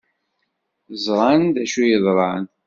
Ẓran d acu yeḍran.